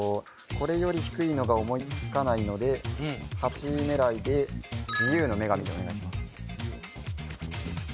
これより低いのが思いつかないので８位狙いで自由の女神でお願いします